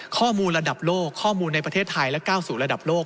ข้อมูลระดับโลกข้อมูลในประเทศไทยและก้าวสู่ระดับโลก